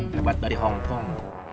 hebat dari hongkong